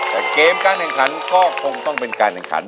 แต่เกมการแข่งขันก็คงต้องเป็นการแข่งขัน